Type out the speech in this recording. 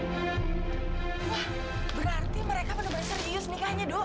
wah berarti mereka bener bener serius nikahnya dok